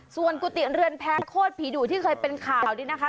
ส่วนกุฏิเรือนแพ้โคตรผีดุที่เคยเป็นข่าวนี่นะคะ